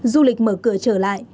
du lịch mở cửa trở lại